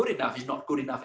tidak cukup baik lagi